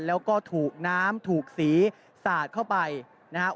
แล้วก็ถูกน้ำถูกสีสาดเข้าไปนะครับ